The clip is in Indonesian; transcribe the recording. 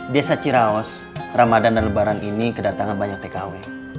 desa ciraos ramadan dan lebaran ini kedatangan banyak tkw